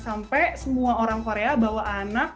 sampai semua orang korea bawa anak